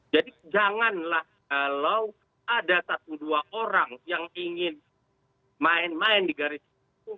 jadi janganlah kalau ada satu dua orang yang ingin main main di garis itu